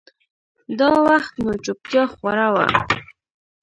دا وخت نو چوپتيا خوره وه.